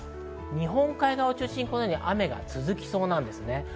日本海側を中心に雨が続きそうです。